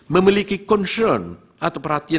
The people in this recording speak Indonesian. memiliki concern atau perhatian